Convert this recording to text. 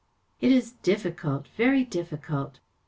" It is difficult‚ÄĒvery difficult."